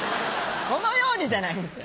このようにじゃないんです。